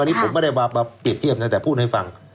อันนี้ผมไม่ได้มาเปรียบเทียบนะแต่พูดให้ฟัง